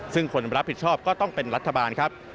ซึ่งคนรับผิดชอบก็ต้องเป็นรัฐบาลครับ